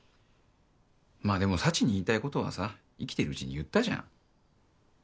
まあでも幸に言いたいことはさ生きてるうちに言ったじゃん。